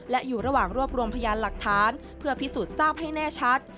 และอยู่ระหว่างรวบรวมพยานหลักฐานเพื่อพิสูจน์ทราบให้แน่ชัด